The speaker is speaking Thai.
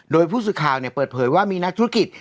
โดยผู้สื่อข่าวเปิดเผยว่ามีนักธุรกิจ